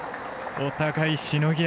お互いしのぎあ